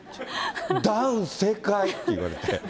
ダウン正解って言われて。